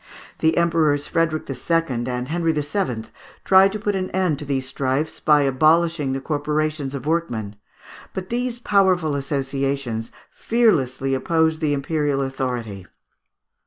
The Emperors Frederick II. and Henry VII. tried to put an end to these strifes by abolishing the corporations of workmen, but these powerful associations fearlessly opposed the imperial authority.